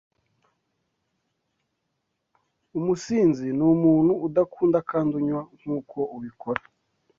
Umusinzi numuntu udakunda kandi unywa nkuko ubikora.